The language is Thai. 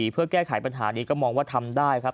เพื่อแก้ไขปัญหานี้ก็มองว่าทำได้ครับ